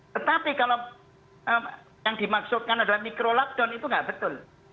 tetapi kalau yang dimaksudkan adalah mikro lockdown itu nggak betul